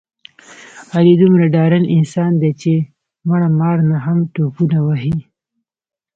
علي دومره ډارن انسان دی، چې مړه مار نه هم ټوپونه وهي.